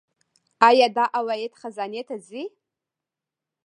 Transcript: آیا دا عواید خزانې ته ځي؟